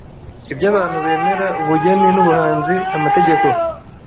Ibyo abantu bemera, ubugeni n’ubuhanzi, amategeko,